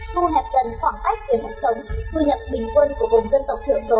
thu hẹp dần khoảng cách về mục sống thu nhập bình quân của vùng dân tộc thử số